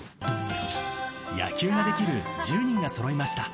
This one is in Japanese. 野球ができる１０人がそろいました。